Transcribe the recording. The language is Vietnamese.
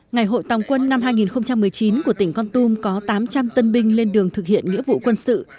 ngày hội tòng quân năm hai nghìn một mươi chín của tỉnh con tum có tám trăm linh tân binh lên đường thực hiện nghĩa vụ quân sự